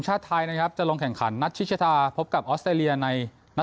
ชาติไทยนะครับจะลงแข่งขันนัทชิชธาพบกับออสเตรเลียในนัด